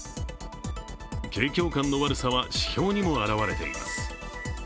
景況感の悪さは指標にも表れています。